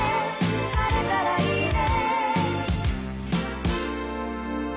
「晴れたらいいね」